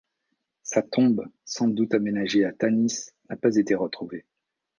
Sa tombe, sans doute aménagée à Tanis, n'a pas été retrouvée.